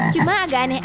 cuma agak aneh